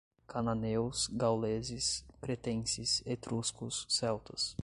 Cananeus, gauleses, cretenses, etruscos, celtas